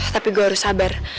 tapi gue harus sabar